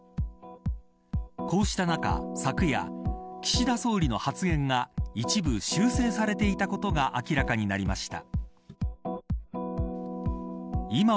こうした中、昨夜岸田総理の発言が一部修正されていたことが明らかになりました。